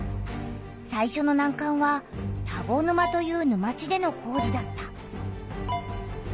さいしょのなんかんは田子沼という沼地での工事だった。